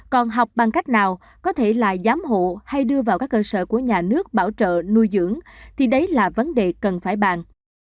còn học bằng cách nào có thể là giám hộ hay đưa vào các cơ sở của nhà nước bảo trợ nuôi dưỡng thì đấy là vấn đề cần phải bàn